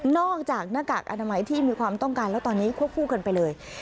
จากหน้ากากอนามัยที่มีความต้องการแล้วตอนนี้ควบคู่กันไปเลย